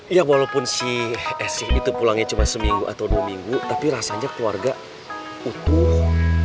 ya walaupun si esi itu pulangnya cuma seminggu atau dua minggu tapi rasanya keluarga utuh